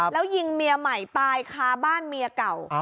แล้วยิงเมียใหม่ตายคาบ้านเมียเก่า